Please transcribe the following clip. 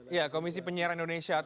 ya komisi penyerahan indonesia